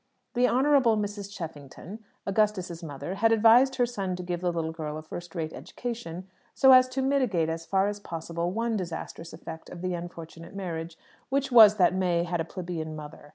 The Honourable Mrs. Cheffington, Augustus's mother, had advised her son to give the little girl a first rate education, so as to mitigate as far as possible one disastrous effect of the unfortunate marriage, which was, that May had a plebeian mother.